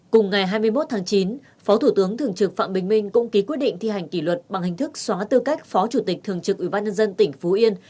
cùng ngày hai mươi một tháng chín phó thủ tướng thường trực phạm bình minh cũng ký quyết định thi hành kỷ luật bằng hình thức xóa tư cách phó chủ tịch thường trực ubnd tỉnh phú yên